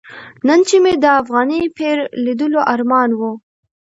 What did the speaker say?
نن چې مې د افغاني پیر لیدلو ارمان و.